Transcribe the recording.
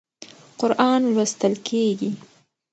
قرآن لوستل کېږي.